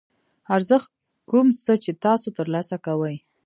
ارزښت کوم څه چې تاسو ترلاسه کوئ.